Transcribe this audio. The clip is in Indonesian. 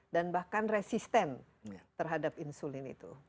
dan bahkan resisten terhadap insulin itu